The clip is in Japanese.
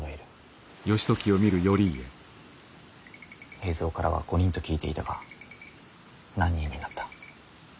平三からは５人と聞いていたが何人になった。